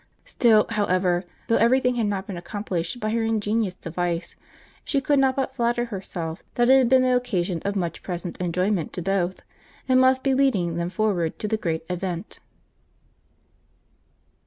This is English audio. Still, however, though every thing had not been accomplished by her ingenious device, she could not but flatter herself that it had been the occasion of much present enjoyment to both, and must be leading them forward to the great event.